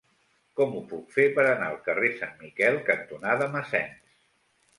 Com ho puc fer per anar al carrer Sant Miquel cantonada Massens?